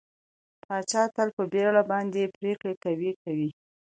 پاچا تل په بېړه باندې پرېکړه کوي کوي.